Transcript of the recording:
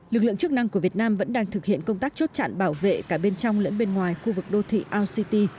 lực lượng chức năng của việt nam vẫn đang thực hiện công tác chốt chặn bảo vệ cả bên trong lẫn bên ngoài khu vực đô thị our city